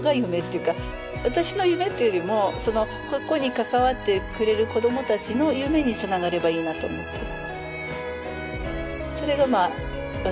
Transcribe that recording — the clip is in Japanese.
私の夢っていうよりもここに関わってくれる子どもたちの夢に繋がればいいなと思ってる。